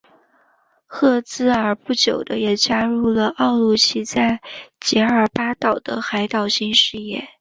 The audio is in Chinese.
赫兹尔不久也加入了奥鲁奇在杰尔巴岛的海盗新事业。